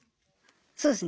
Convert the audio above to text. そうですね